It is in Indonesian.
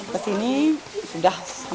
ke sini sudah hampir tiga tahun